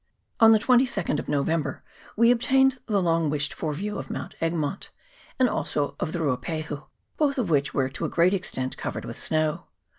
ON the 22nd of November we obtained the long wished for view of Mount Egmont, and also of the Ruapahu, both of which were to a great extent co vered with snow.